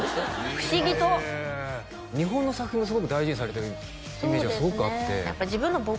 不思議と日本の作品もすごく大事にされてるイメージがすごくあってそうですね